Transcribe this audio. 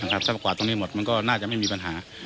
ถ้าประกวาดตรงนี้หมดมันก็น่าจะไม่มีปัญหา